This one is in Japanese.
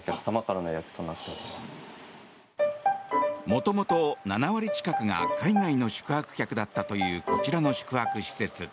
元々、７割近くが海外の宿泊客だったというこちらの宿泊施設。